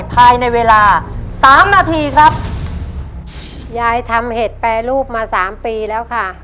ภายในเวลาสามนาทีครับยายทำเห็ดแปรรูปมาสามปีแล้วค่ะ